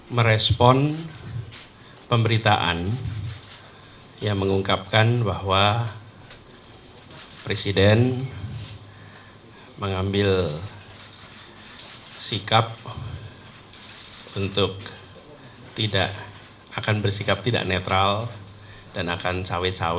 merespon pemberitaan yang mengungkapkan bahwa presiden mengambil sikap untuk tidak akan bersikap tidak netral dan akan sawit sawit